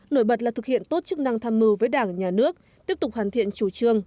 nổi bật là thực hiện tốt chức năng tham mưu với đảng nhà nước tiếp tục hoàn thiện chủ trương